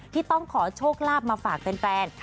ที่ต้องขอโชคลาภมาฝากเป็นแปลน